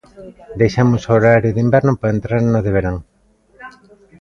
Deixamos o horario de inverno para entrar no de verán.